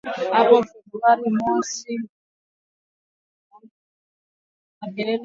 hapo Februari mosi mwendesha mashtaka wa kijeshi Joseph Makelele aliiambia mahakama